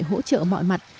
hỗ trợ mọi mặt